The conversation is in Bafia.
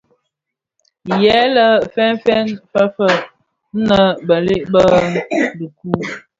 Yin lè fèn fèn fëlë nnë bëlëg bi dhikuu.